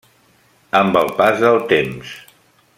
Amb el pas del temps.